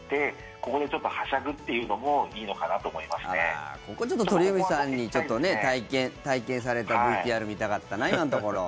ここでちょっとはしゃぐっていうのもあら、ここ、鳥海さんにちょっとね、体験されたＶＴＲ見たかったな今のところ。